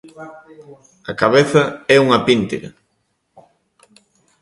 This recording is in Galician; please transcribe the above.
A cabeza é unha píntega.